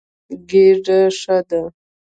ګېډه ښه ده.